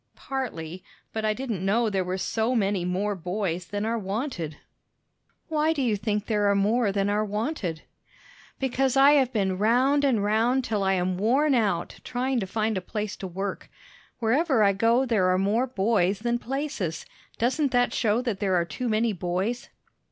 "Partly; but I didn't know there were so many more boys than are wanted." "Why do you think there are more than are wanted?" "Because I have been 'round and 'round till I am worn out, trying to find a place to work. Wherever I go, there are more boys than places. Doesn't that show that there are too many boys?"